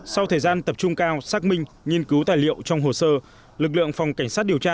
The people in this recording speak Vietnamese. sau thời gian tập trung cao xác minh nghiên cứu tài liệu trong hồ sơ lực lượng phòng cảnh sát điều tra